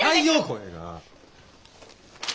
声が。